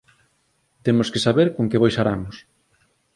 Temos que saber con que bois aramos